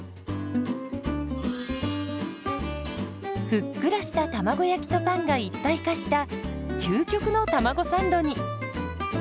ふっくらした卵焼きとパンが一体化した究極のたまごサンドに。